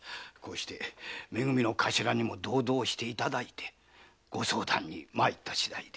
め組の頭にも同道していただいてご相談に参った次第で。